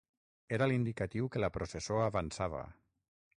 Era l’indicatiu que la processó avançava.